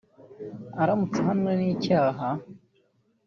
Aramutse ahamwe n’icyaha